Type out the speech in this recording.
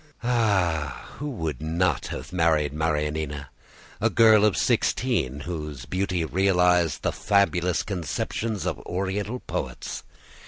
Who would not have married Marianina, a girl of sixteen, whose beauty realized the fabulous conceptions of Oriental poets!